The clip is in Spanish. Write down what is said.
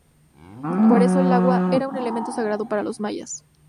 Por eso, el agua era un elemento sagrado para los mayas.